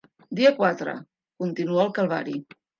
Dia quatre: Continua el calvari.